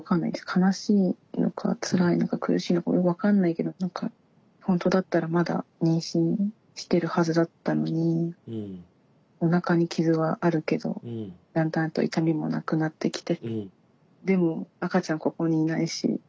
悲しいのかつらいのか苦しいのか分かんないけどほんとだったらまだ妊娠してるはずだったのにおなかに傷はあるけどだんだんと痛みもなくなってきてでも赤ちゃんここにいないし。